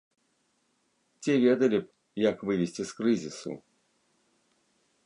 Ці ведалі б, як вывесці з крызісу?